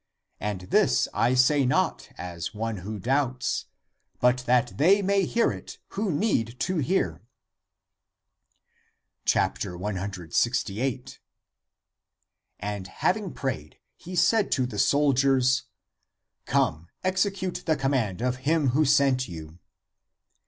And this I say not as one who doubts, but that they may hear it who need to hear." 168. And having prayed, he said to the soldiers, '* Come, execute the command of him who sent you